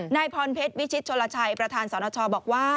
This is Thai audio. นายพรเพชรวิชิตชนลชัยประธานสนชบอกว่า